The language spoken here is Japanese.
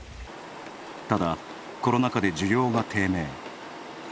ただ、コロナ禍で需要が低迷。